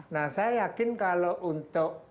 nah saya yakin kalau untuk